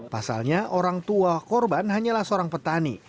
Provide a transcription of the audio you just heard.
pasalnya orang tua korban hanyalah seorang petani